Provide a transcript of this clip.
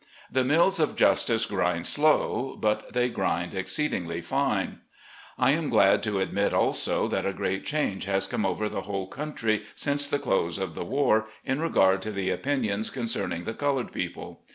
The mills of justice grind slow, but they grind exceedingly fine. I am glad to admit, also, that a great change has come over the whole country since the close of the war, in regard to the opinions concerning the col ored people.